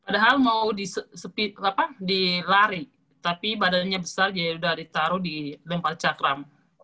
padahal mau di lari tapi badannya besar jadi udah ditaruh di lempar cakram